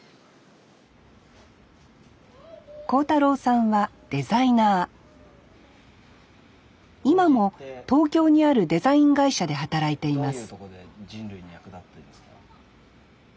幸太郎さんはデザイナー今も東京にあるデザイン会社で働いています